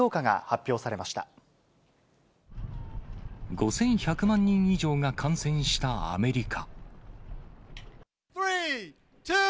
５１００万人以上が感染したアメリカ。